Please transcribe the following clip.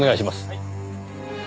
はい。